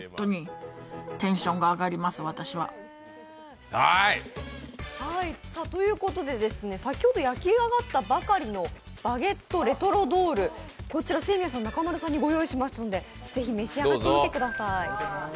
クラリネットか？ということで先ほど焼き上がったばかりのバゲットレトロドール清宮さん、中丸さんにご用意しますのでぜひ召し上がってみてください。